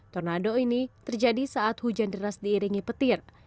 tornado ini terjadi saat hujan deras diiringi petir